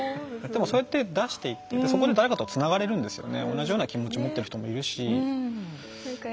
そうやって出していってそこで誰かとつながれるんですよね。